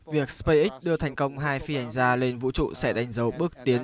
việc spacex đưa thành công hai phi hành gia lên vũ trụ sẽ đánh dấu bước tiến